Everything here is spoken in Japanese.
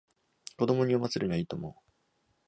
子供に読ませるにはいいと思う